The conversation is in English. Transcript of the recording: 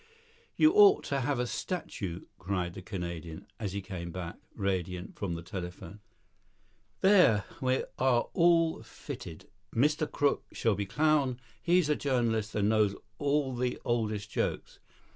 "You ought to have a statue," cried the Canadian, as he came back, radiant, from the telephone. "There, we are all fitted. Mr. Crook shall be clown; he's a journalist and knows all the oldest jokes.